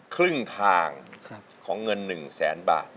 ครึ่งทางของเงิน๑แสนบาท